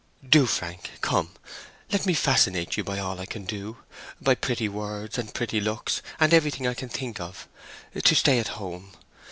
Do, Frank. Come, let me fascinate you by all I can do—by pretty words and pretty looks, and everything I can think of—to stay at home.